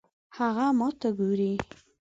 هغه ماته ګوري